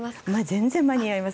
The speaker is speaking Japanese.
全然間に合います。